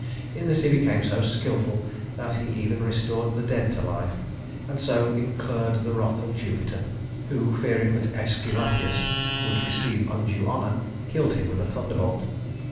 In this he became so skillful that he even restored the dead to life, and so incurred the wrath of Jupiter, who, fearing that Æsculapius would receive undue honor, killed him with a thunderbolt.